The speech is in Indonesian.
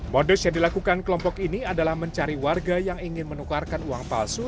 modus yang dilakukan kelompok ini adalah mencari warga yang ingin menukarkan uang palsu